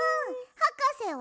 はかせは？